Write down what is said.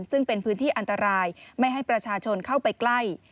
ซึ่งเป็นพื้นที่อันตรายไม่ให้ประชาชนเข้าไปใกล้